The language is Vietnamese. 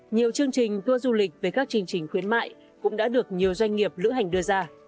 nhiều chương trình tour du lịch với các chương trình khuyến mại cũng đã được nhiều doanh nghiệp lữ hành đưa ra